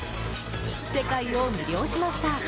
世界を魅了しました！